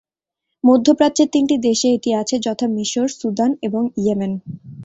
মধ্যপ্রাচ্যের তিনটি দেশে এটি আছে, যথাঃ মিসর, সুদান এবং ইয়েমেন।